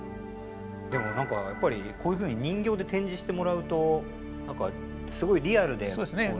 でも何かやっぱりこういうふうに人形で展示してもらうとすごいリアルで。